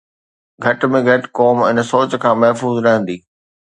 گهٽ ۾ گهٽ قوم ان سوچ کان محفوظ رهندي.